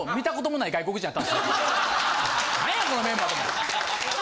何やこのメンバーと思って。